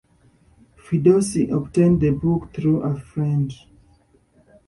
Ferdowsi obtained the book through a friend.